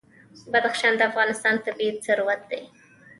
بدخشان د افغانستان طبعي ثروت دی.